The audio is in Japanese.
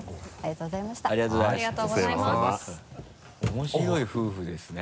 面白い夫婦ですね。